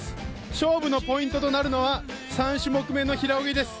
勝負のポイントとなるのは３種目めの平泳ぎです。